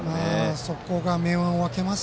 そこが明暗を分けます。